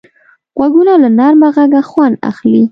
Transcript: غوږونه له نرمه غږه خوند اخلي